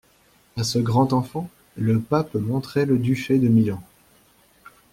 À ce grand enfant, le pape montrait le duché de Milan.